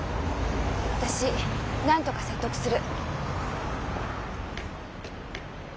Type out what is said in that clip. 私なんとか説得する。